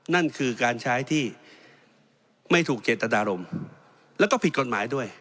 นั่นคือการใช้ที่ไม่ถูกเจตนารมณ์แล้วก็ผิดกฎหมายด้วย